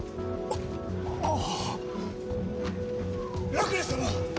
ラクレス様！